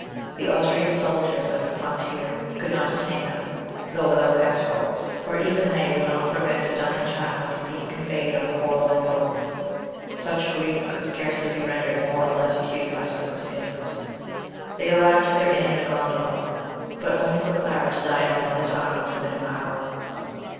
The Austrian LIFE IN ITALY. 133 soldiers at the frontier could not detain them, though without passports, for even they would not prevent a dying child from being conveyed on a forlorn hope. Such grief could scarcely be rendered more or less acute by circumstances. They arrived at their inn in a gondola, but only for Clara to die in her mother's arms within an hour.